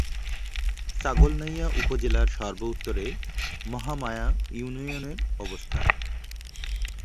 ছাগলনাইয়া উপজেলার সর্ব-উত্তরে মহামায়া ইউনিয়নের অবস্থান।